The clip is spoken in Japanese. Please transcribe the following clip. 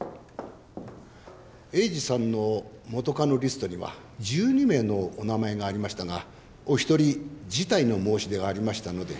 栄治さんの元カノリストには１２名のお名前がありましたがお一人辞退の申し出がありましたので。